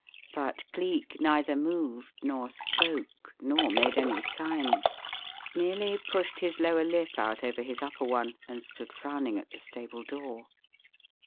But Cleek neither moved nor spoke nor made any sign merely pushed his lower lip out over his upper one and stood frowning at the stable door.